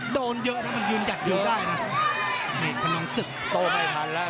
โดนเยอะแล้วมันยืนหยัดอยู่ได้น่ะโตไม่ทันแล้ว